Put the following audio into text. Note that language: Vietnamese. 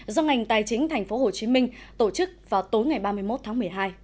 do ngành tài chính tp hcm tổ chức vào tối ngày ba mươi một tháng một mươi hai